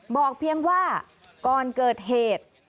บอกเพียงว่าก่อนเกิดเหตุ